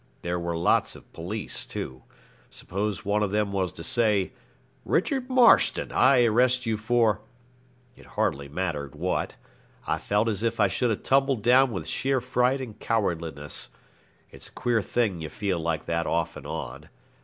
There were lots of police, too. Suppose one of them was to say, 'Richard Marston, I arrest you for ' It hardly mattered what. I felt as if I should have tumbled down with sheer fright and cowardliness. It's a queer thing you feel like that off and on.